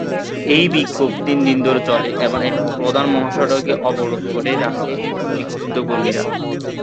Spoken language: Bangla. এই বিক্ষোভ তিন দিন ধরে চলে এবং একটি প্রধান মহাসড়ক অবরোধ করে রাখে বিক্ষুব্ধ কর্মীরা।